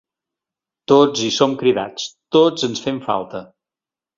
Tots hi som cridats, tots ens fem falta.